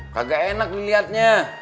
kagak enak dilihatnya